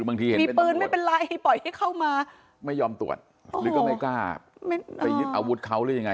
บางทีเห็นมีปืนไม่เป็นไรปล่อยให้เข้ามาไม่ยอมตรวจหรือก็ไม่กล้าไปยึดอาวุธเขาหรือยังไง